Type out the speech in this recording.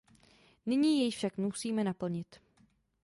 Nyní jej však musíme naplnit.